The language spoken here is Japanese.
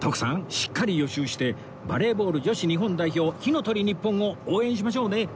しっかり予習してバレーボール女子日本代表火の鳥 ＮＩＰＰＯＮ を応援しましょうね